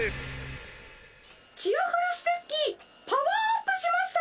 チアふるステッキパワーアップしました！